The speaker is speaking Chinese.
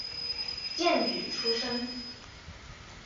荐举出身。